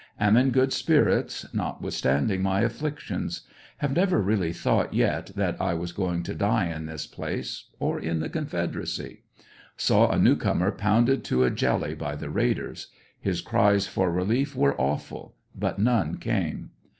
Am in good spir its, notwithstanding my afflictions. Have never really thought yet that I was going to die in this place or in the Confederacy. Saw a new comer pounded to a jelly by the raiders. His cries for relief were aioful, but none came.